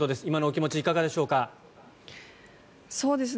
今のお気持ちいかがでしょうか。